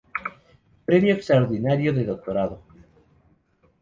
Premio Extraordinario de Doctorado.